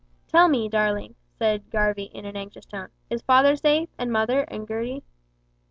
"Tell me, darling," said Garvie, in an anxious tone, "is father safe, and mother, and Gertie?"